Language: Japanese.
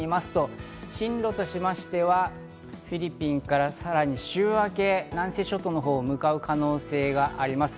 動きを見てみますと、進路としましてはフィリピンから、さらに週明け、南西諸島のほうに向かう可能性があります。